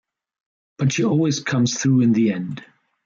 But she always comes through in the end.